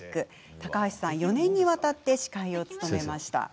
高橋さんは４年にわたって司会を務めました。